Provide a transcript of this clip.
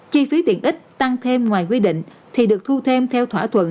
chi phí tiền ít tăng thêm ngoài quy định thì được thu thêm theo thỏa thuận